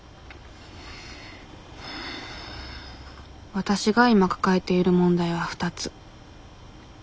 わたしが今抱えている問題は２つ。